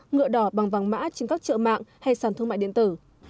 ngựa đỏ bằng vàng mã trên các chợ mạng hay sàn thương mại điện tử